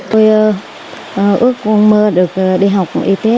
tôi ước mơ được đi học y tế